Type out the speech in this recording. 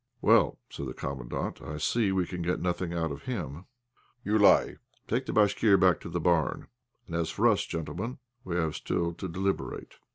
"Well," said the Commandant, "I see we can get nothing out of him. Joulaï, take the Bashkir back to the barn; and as for us, gentlemen, we have still to deliberate."